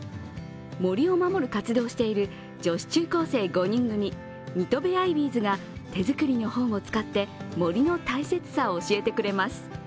森を守る活動をしている女子中高生５人組、Ｎｉｔｏｂｅアイビーズが手作りの本を使って、森の大切さを教えてくれます。